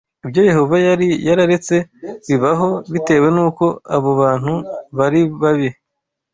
Ibyo Yehova yari yararetse bibaho bitewe n’uko abo bantu bari babi